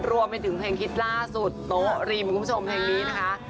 รวมไปถึงเพลงฮิตล่าสุดโต๊ะริมคุณผู้ชมเพลงนี้นะคะ